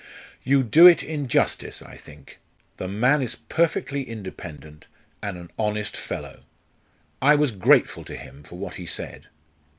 "You do it injustice, I think. The man is perfectly independent, and an honest fellow. I was grateful to him for what he said."